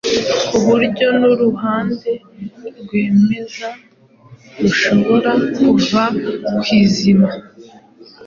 ku buryo n’uruhande rwemeza rushobora kuva ku izima.